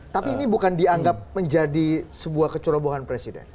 tapi ini bukan dianggap menjadi sebuah kecerobohan presiden